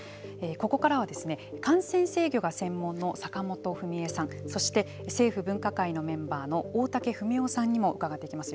ここからは感染制御が専門の坂本史衣さんそして政府分科会のメンバーの大竹文雄さんにも伺っていきます。